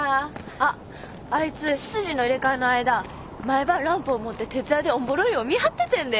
あっあいつ執事の入れ替えの間毎晩ランプを持って徹夜でおんぼろ寮見張っててんで。